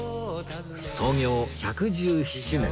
創業１１７年